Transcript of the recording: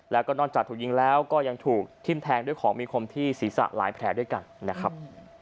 แล้วก็นอกจากถูกยิงแล้วก็ยังถูกทิ้มแทงด้วยของมีคมที่ศีรษะหลายแผลด้วยกันนะครับ